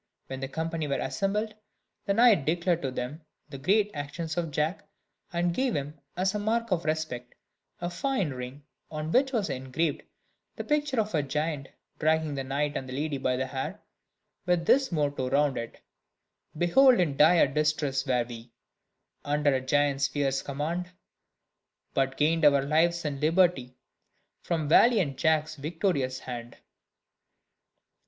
When the company were assembled, the knight declared to them the great actions of Jack, and gave him, as a mark of respect, a fine ring, on which was engraved the picture of the giant dragging the knight and the lady by the hair, with this motto round it: "Behold in dire distress were we, Under a giant's fierce command; But gained our lives and liberty From valiant Jack's victorious hand."